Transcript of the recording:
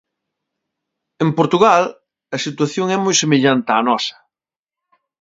En Portugal, a situación é moi semellante á nosa.